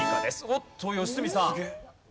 おっと良純さん。